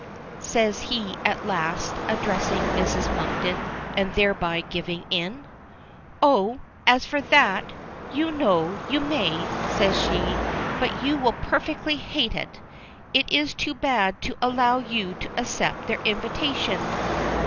says he at last, addressing Mrs. Monkton, and thereby giving in. "Oh! as for that! You know you may," says she. "But you will perfectly hate it. It is too bad to allow you to accept their invitation.